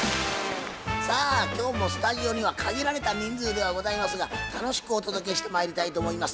さあ今日もスタジオには限られた人数ではございますが楽しくお届けしてまいりたいと思います。